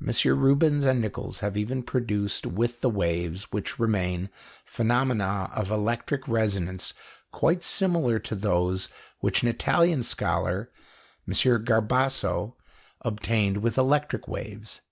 MM. Rubens and Nichols have even produced with the waves which remain phenomena of electric resonance quite similar to those which an Italian scholar, M. Garbasso, obtained with electric waves.